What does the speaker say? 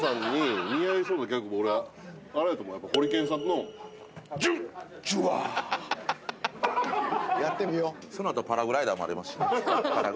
俺あれやと思うやっぱホリケンさんのそのあとパラグライダーもありますしね